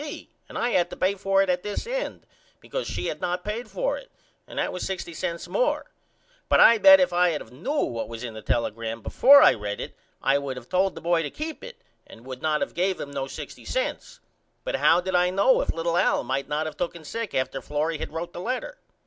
d. and I had to pay for it at this end because she had not paid for it and that was $.60 more but I bet if I had of knew what was in the telegram before I read it I would of told the boy to keep it and would not of gave him no $.60 but how did I know if little Al might not of tooken sick after Florrie had wrote the letter?